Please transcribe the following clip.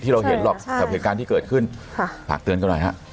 เราเห็นหรอกกับเหตุการณ์ที่เกิดขึ้นฝากเตือนกันหน่อยฮะ